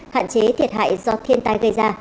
hạn chế thiệt hại do thiên tai gây ra